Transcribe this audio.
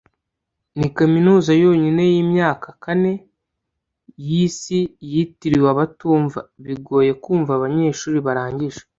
Ni kaminuza yonyine yimyaka kane yisi yitiriwe abatumva & bigoye kumva abanyeshuri barangije